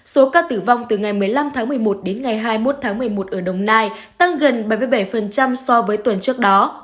số ca tử vong từ ngày một mươi năm tháng một mươi một đến ngày hai mươi một tháng một mươi một ở đồng nai tăng gần bảy mươi bảy so với tuần trước đó